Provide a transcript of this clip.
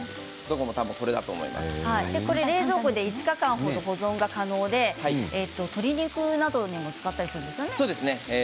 冷蔵庫で５日間保存が可能で鶏肉などに使ったりするんですね。